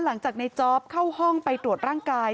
หลังจากในจ๊อปเข้าห้องไปตรวจร่างกาย